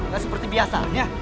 gak seperti biasanya